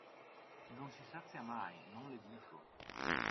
Non si sazia mai, non le dico;